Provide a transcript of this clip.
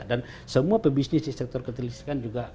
dan semua pebisnis di sektor ketenagaan listrik